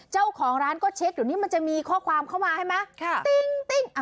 เจ้าของร้านก็เช็คเดี๋ยวนี้มันจะมีข้อความเข้ามาใช่ไหม